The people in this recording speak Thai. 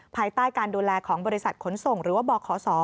ภายใต้การดูแลของบริษัทขนส่งหรือว่าบขศ